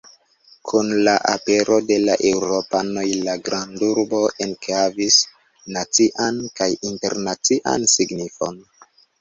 Kun la apero de la eŭropanoj la grandurbo ekhavis nacian kaj internacian signifojn.